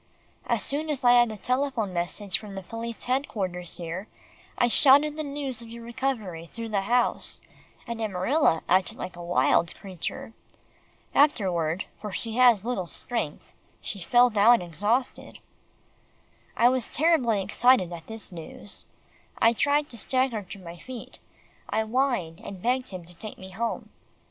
As soon as I had the telephone message from police headquarters here, I shouted the news of your recovery through the house, and Amarilla acted like a wild creature. Afterward, for she has little strength, she fell down exhausted." I was terribly excited at this news. I tried to stagger to my feet. I whined, and begged him to take me home.